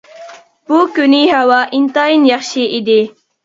بۇ كۈنى ھاۋا ئىنتايىن ياخشى ئىدى.